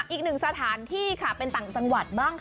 อีกหนึ่งสถานที่ค่ะเป็นต่างจังหวัดบ้างค่ะ